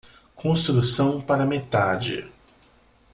Construção para metade